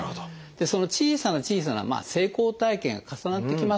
その小さな小さな成功体験が重なってきますよね。